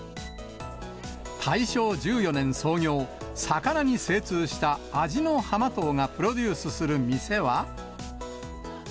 大正１４年創業、魚に精通した味の浜藤がプロデュースする店は。